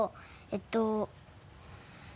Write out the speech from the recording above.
えっと。